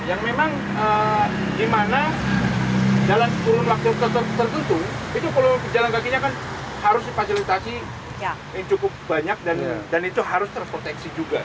yang memang di mana jalan turun waktu tertutup itu kolom pejalan kakinya kan harus dipasilitasi yang cukup banyak dan itu harus terproteksi juga